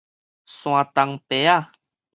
山東白仔